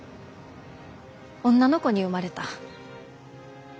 女の子に生まれた。